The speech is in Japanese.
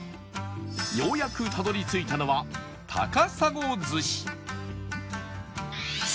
ようやくたどり着いたのは高砂寿司